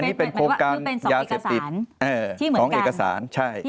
คือเป็นสองเอกสารที่เหมือนกัน